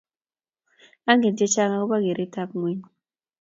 Angen chechang agoba geretab ngweny